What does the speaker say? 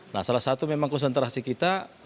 nah salah satu memang konsentrasi kita